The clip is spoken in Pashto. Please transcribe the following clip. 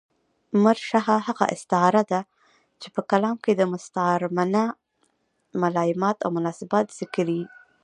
مرشحه هغه استعاره ده، چي په کلام کښي د مستعارمنه ملایمات اومناسبات ذکر يي.